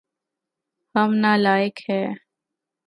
ہم نالائق ہیے